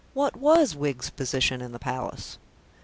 What was Wiggs's position in the Palace?